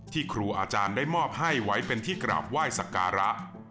ครูอาจารย์ได้มอบให้ไว้เป็นที่กราบไหว้สักการะ